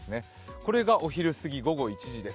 これがお昼過ぎ、午後１時です。